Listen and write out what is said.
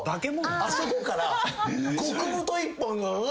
あそこから極太１本が。え！